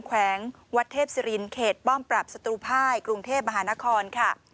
แวงวัดเทพศิรินเขตป้อมปรับศัตรูภายกรุงเทพมหานครค่ะ